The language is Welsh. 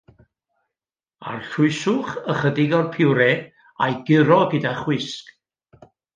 Arllwyswch ychydig o'r purée a'i guro gyda chwisg.